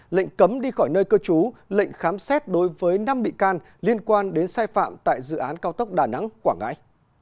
lệnh cấm đi khỏi nơi cư trú lệnh khám xét đối với năm bị can liên quan đến sai phạm tại dự án cao tốc đà nẵng quảng ngãi